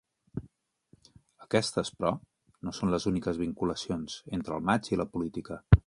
Aquestes, però, no són les úniques vinculacions entre el matx i la política.